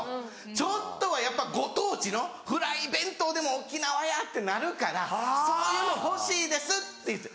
ちょっとはやっぱご当地のフライ弁当でも『沖縄や』ってなるからそういうの欲しいです」って言って。